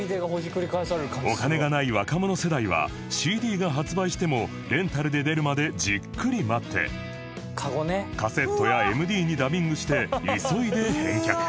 お金がない若者世代は ＣＤ が発売してもレンタルで出るまでじっくり待ってカセットや ＭＤ にダビングして急いで返却